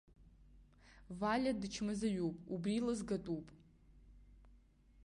Валиа дычмазаҩуп, абри лызгатәуп?